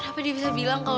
ibu ini cuman aja bu